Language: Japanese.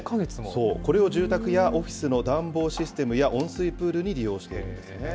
そう、これを住宅やオフィスの暖房システムや、温水プールに利用しているんですね。